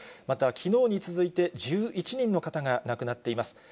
またきのうに続いて、１１人の方が亡くなっています。